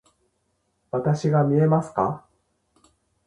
わたしが見えますか？